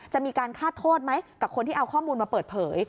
มีการฆาตโทษไหมกับคนที่เอาข้อมูลมาเปิดเผย